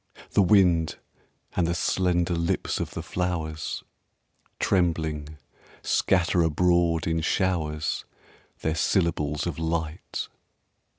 The wind and the slender lips of the flowers, Trembling, scatter abroad in showers Their syllables of light.